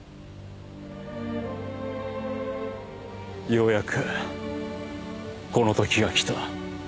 ようやくこの時が来た。